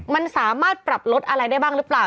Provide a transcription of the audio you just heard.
มันสามารถปรับลดอะไรได้บ้างหรือเปล่า